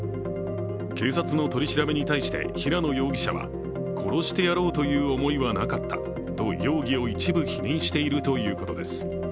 警察の取り調べに対して平野容疑者は殺してやろうという思いはなかったと容疑を一部否認しているということです。